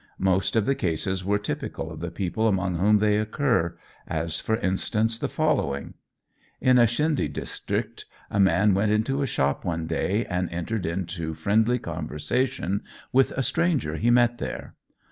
Most of the cases are typical of the people among whom they occur, as, for instance, the following: "In a Scinde district a man went into a shop one day and entered into friendly conversation with a stranger he met there.